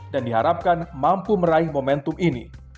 dan diharapkan mampu meraih momentum ini